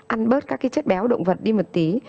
ăn bớt các cái chất béo động vật đi một tí